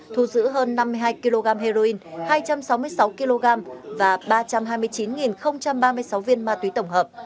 thu giữ hơn năm mươi hai kg heroin hai trăm sáu mươi sáu kg và ba trăm hai mươi chín ba mươi sáu viên ma túy tổng hợp